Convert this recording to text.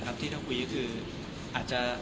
ตอนนี้ต้องเป็นเรื่องในอนาคตครับ